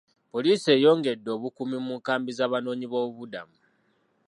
Poliisi eyongedde obukuumi mu nkambi z'abanoonyi boobubudamu.